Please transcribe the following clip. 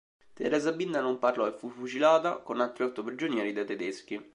Teresa Binda non parlò e fu fucilata, con altri otto prigionieri, dai tedeschi.